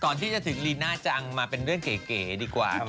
ก่อนที่จะถึงลีน่าจังมาเป็นเรื่องเก๋ดีกว่า